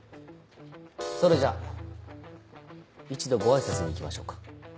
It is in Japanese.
それじゃ一度ご挨拶に行きましょうか。